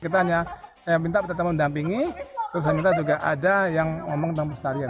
saya minta tetap mendampingi terus saya minta juga ada yang ngomong tentang pelestarian